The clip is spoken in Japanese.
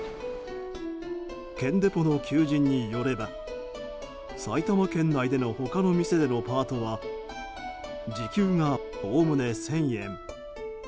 建デポの求人によれば埼玉県内での他の店でのパートは時給が、おおむね１０００円。